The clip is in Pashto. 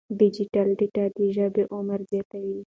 ډیجیټل ډیټا د ژبې عمر زیاتوي.